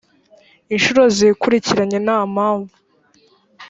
inshuro zikurikiranye nt ampamvu